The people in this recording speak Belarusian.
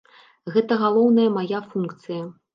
Гэта галоўная мая функцыя.